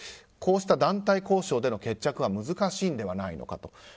こうした団体交渉での決着は難しいのではないかと。